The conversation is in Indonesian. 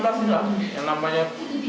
tahun dua ribu enam belas lah yang namanya